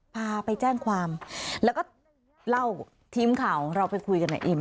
พาไปแจ้งความแล้วก็เล่าทีมข่าวเราไปคุยกับนายเอ็ม